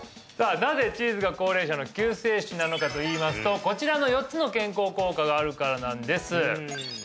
なぜチーズが高齢者の救世主なのかといいますとこちらの４つの健康効果があるからなんですえ